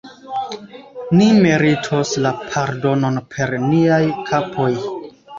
Ni meritos la pardonon per niaj kapoj!